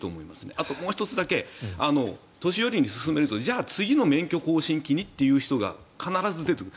あともう１つだけ年寄りに勧めるとじゃあ次の免許更新時にという人が必ず出てくる。